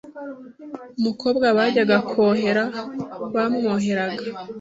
Umukobwa bajyaga kwohera bamwoheraga